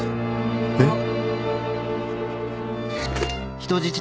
えっ？